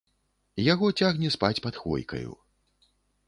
Яго цягне спаць пад хвойкаю.